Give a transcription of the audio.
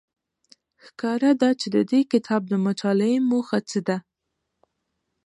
ښکاره ده چې د دې کتاب د مطالعې موخه څه ده